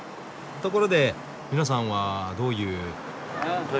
ところで皆さんはどういう？